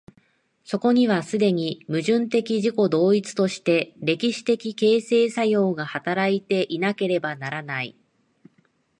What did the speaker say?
そこには既に矛盾的自己同一として歴史的形成作用が働いていなければならない。